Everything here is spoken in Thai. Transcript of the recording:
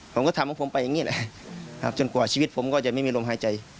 ผมก็ทำของผมไปอย่างนี้แหละจนกว่าชีวิตผมก็จะไม่มีลมหายใจ